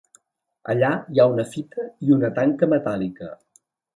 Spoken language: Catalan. Allà hi ha una fita i una tanca metàl·lica.